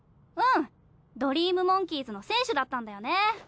うんドリームモンキーズの選手だったんだよね。